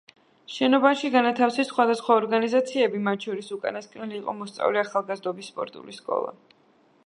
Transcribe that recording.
შენობაში განათავსეს სხვადასხვა ორგანიზაციები, მათ შორის უკანასკნელი იყო მოსწავლე-ახალგაზრდობის სპორტული სკოლა.